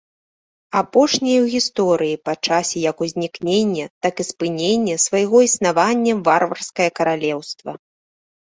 Апошняе ў гісторыі па часе як узнікнення, так і спынення свайго існавання варварскае каралеўства.